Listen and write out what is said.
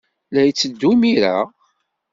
La yetteddu imir-a?